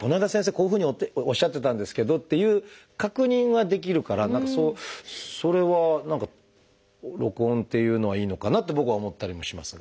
こういうふうにおっしゃってたんですけど」っていう確認はできるから何かそれは録音っていうのはいいのかなって僕は思ったりもしますが。